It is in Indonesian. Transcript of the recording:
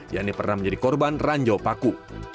yang pernah menjadi korban ranjau paku